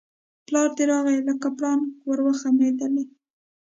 پلار دی راغی لکه پړانګ وو خښمېدلی